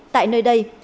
tại nơi này